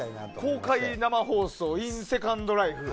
公開生放送ｉｎセカンドライフ。